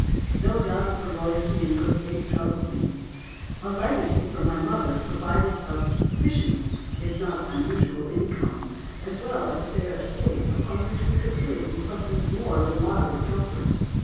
"No doubt of her loyalty and good faith troubled me. A legacy from my mother provided a sufficient, if not unusual income, as well as a fair estate, upon which we could live in something more than moderate comfort.